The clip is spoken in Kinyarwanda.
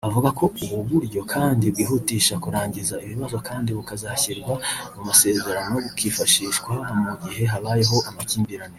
Avuga ko ubu buryo kandi bwihutisha kurangiza ibibazo kandi bukazashyirwa mu masezerano bukifashishwa mu gihe habayeho amakimbirane